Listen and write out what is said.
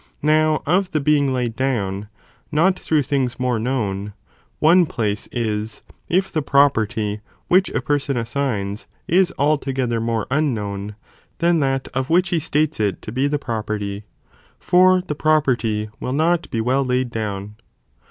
Now of the (being laid down), not through things more known, one (place) is, if the property which a person assigns, is altogether more unknown, than that of which he states it to be the property, for the property will not be well laid down.